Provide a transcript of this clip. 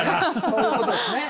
そういうことですね！